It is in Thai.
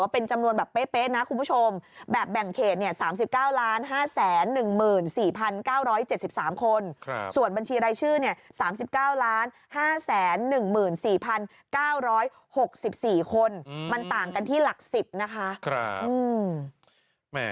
เป็นจำนวนแบบเป๊ะนะคุณผู้ชมแบบแบ่งเขต๓๙๕๑๔๙๗๓คนส่วนบัญชีรายชื่อ๓๙๕๑๔๙๖๔คนมันต่างกันที่หลัก๑๐นะคะ